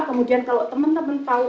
kemudian kalau teman teman tahu